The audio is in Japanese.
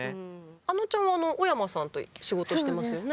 あのちゃんは小山さんと仕事してますよね。